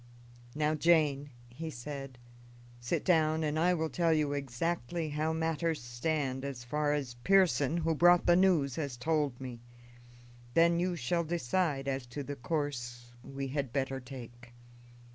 "Now, Jane," he said, "sit down, and I will tell you exactly how matters stand, as far as Pearson, who brought the news, has told me. Then you shall decide as to the course we had better take."